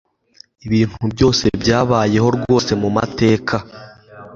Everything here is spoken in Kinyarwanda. ibintu byose byabayeho rwose mu mateka